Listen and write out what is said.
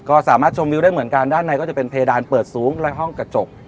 ก็สามารถชมวิวได้เหมือนกันด้านในก็จะเป็นเพดานเปิดสูงและห้องกระจก